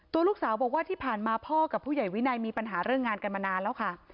ตัวลูกสาวบอกว่าที่ผ่านมาพ่อกับผู้ใหญ่วินัยมีปัญหาเรื่องงานกันมานานแล้วค่ะ